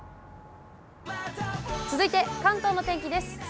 続いて、関東の天気です。